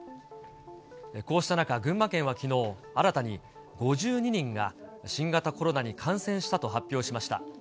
こうした中、群馬県はきのう、新たに５２人が、新型コロナウイルスに感染したと発表しました。